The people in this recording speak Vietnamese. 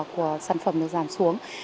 của sản phẩm được giảm xuống